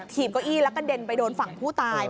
เก้าอี้แล้วกระเด็นไปโดนฝั่งผู้ตาย